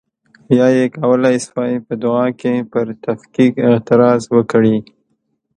یا یې کولای شوای په دعا کې پر تفکیک اعتراض وکړي.